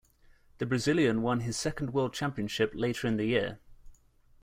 The Brazilian won his second World Championship later in the year.